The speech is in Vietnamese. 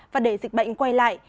và để dịch bệnh quay lại